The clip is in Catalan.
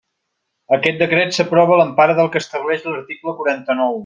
Aquest decret s'aprova a l'empara del que estableix l'article quaranta-nou.